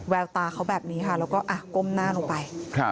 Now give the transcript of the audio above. แววตาเขาแบบนี้ค่ะแล้วก็ก้มหน้าลงไป